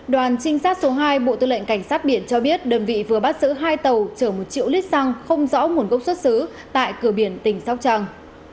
đoàn trinh sát số hai bộ tư lệnh cảnh sát biển cho biết đơn vị vừa bắt giữ hai tàu chở một triệu lít xăng không rõ nguồn gốc xuất xứ tại cửa biển tỉnh sóc trăng